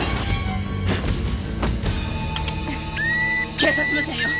警察無線よ。